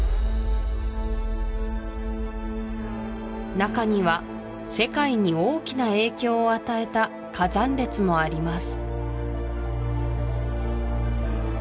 中には世界に大きな影響を与えた火山列もあります